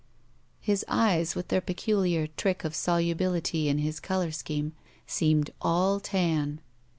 His eyes, with their peculiar trick of solubility in his color scheme, seemed all tan.